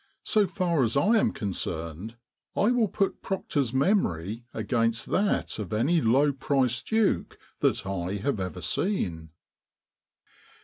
So far as I am concerned I will put Proctor's memory against that of any low priced duke that I have ever seen.